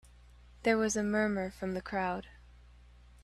There was a murmur from the crowd.